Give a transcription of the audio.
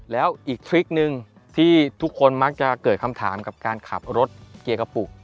แล้วอีกทริคนึงที่ทุกคนมักจะเกิดคำถามกับการขับรถเกียร์กระปุก